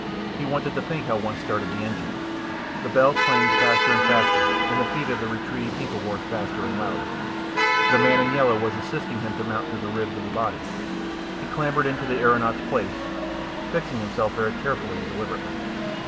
He wanted to think how one started the engine. The bell clanged faster and faster, and the feet of the retreating people roared faster and louder. The man in yellow was assisting him to mount through the ribs of the body. He clambered into the aeronaut's place, fixing himself very carefully and deliberately.